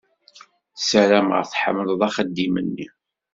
Ssarameɣ tḥemmleḍ axeddim-nni.